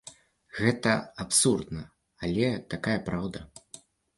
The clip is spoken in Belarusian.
Гэта абсурдна, але такая праўда.